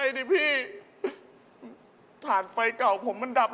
หลักมันหรอหลักมันอ่ะ